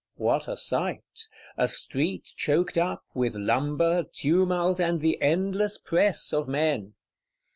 What a sight! A street choked up, with lumber, tumult and the endless press of men.